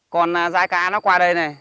con rái cá nó qua đây này